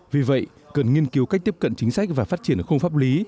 vì vậy cần nghiên cứu cách tiếp cận chính sách và phát triển không pháp lý